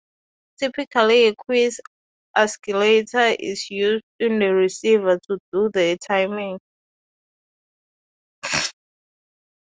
Typically a quartz oscillator is used in the receiver to do the timing.